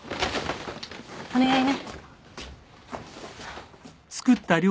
お願いね。